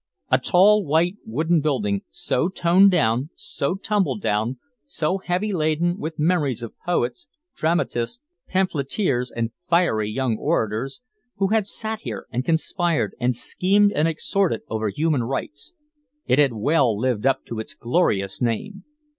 A tall white wooden building, so toned down, so tumbled down, so heavy laden with memories of poets, dramatists, pamphleteers and fiery young orators, who had sat here and conspired and schemed and exhorted over human rights. It had well lived up to its glorious name.